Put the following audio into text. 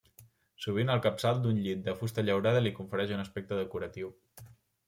Sovint el capçal d'un llit de fusta llaurada li confereix un aspecte decoratiu.